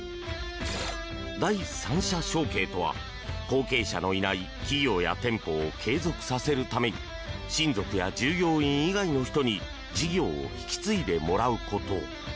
第三者承継とは後継者のいない企業や店舗を継続させるために親族や従業員以外の人に事業を引き継いでもらうこと。